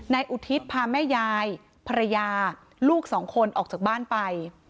อุทิศพาแม่ยายภรรยาลูกสองคนออกจากบ้านไป